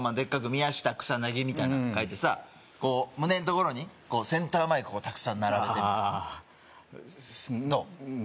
「宮下草薙」みたいなの書いてさ胸のところにセンターマイクをたくさん並べてみたいなどう？